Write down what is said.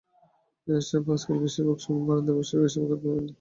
জাহিদ সাহেব আজকাল বেশির ভাগ সময়ই বারান্দায় বসে এইসব কথা ভেবে ভেবে কাটান।